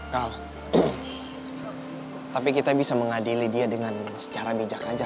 tapi kita bisa mengadili dia dengan secara bijak aja